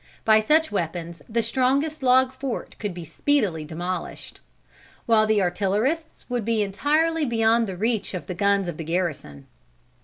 By such weapons the strongest log fort could speedily be demolished; while the artillerists would be entirely beyond the reach of the guns of the garrison.